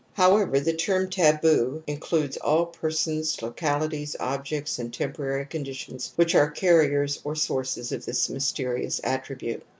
However, the term ' taboo ' includes all per sons, localities, objects and temporary condi tions which are carriers or sources of this mysterious attribute.